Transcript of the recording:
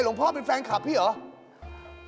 หลวงพ่อเป็นแฟนคลับพี่เหรอ